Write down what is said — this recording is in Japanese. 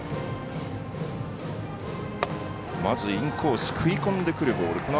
まず、インコース食い込んでくるボール。